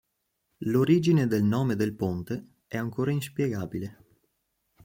L'origine del nome del ponte è ancora inspiegabile.